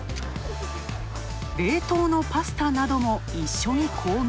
冷凍のパスタなども一緒に購入。